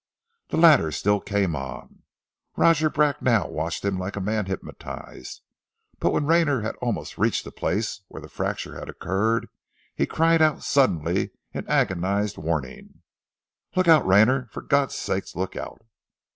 The latter still came on. Roger Bracknell watched him like a man hypnotized; but when Rayner had almost reached the place where the fracture had occurred, he cried out suddenly, in agonized warning "Look out, Rayner! For God's sake, look out!"